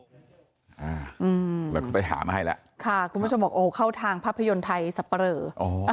เราก็ไปหามาให้แล้วค่ะคุณผู้ชมบอกโอ้เข้าทางภาพยนตร์ไทยสับปะเรอ